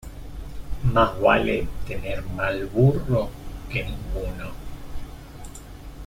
Más vale tener mal burro que ninguno.